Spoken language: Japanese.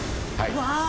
うわ！